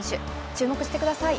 注目してください。